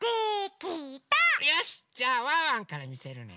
よしっじゃあワンワンからみせるね。